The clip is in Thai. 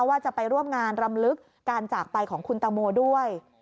ว่าจะไปร่วมงานรำลึกการจากไปของคุณตังโมด้วย